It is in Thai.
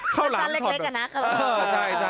ข้าวหลามชอต